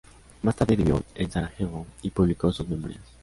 Más tarde vivió en Sarajevo y publicó sus memorias.